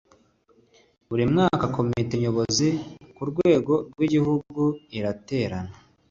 buri mwaka komite nyobozi ku rwego rw'igihugu iraterana